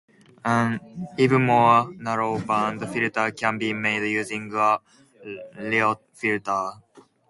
An even more narrow band filter can be made using a Lyot filter.